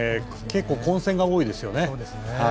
結構、混戦が多いですね。